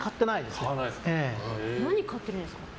何買ってるんですか？